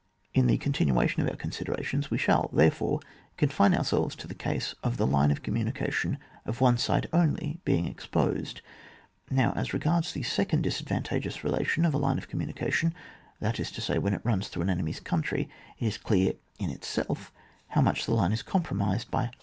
...^ In the continuation of our considera tions we shall, therefore, confine our selves to the case of the line of commu nication of one side only being exposed. Now as regards the second disadvan tageous relation of a line of communica tion, that is to say, when it runs through an enemy's country, it is clear in itself how much the line is compromised by 160 OJV IFAE.